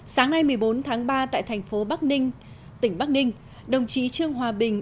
sáng nay một mươi bốn tháng ba tại thành phố bắc ninh tỉnh bắc ninh đồng chí trương hòa bình